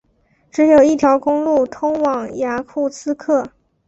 只有一条公路通往雅库茨克。